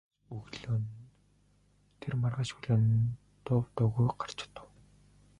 Тэр маргааш өглөө нь дув дуугүй гарч одов.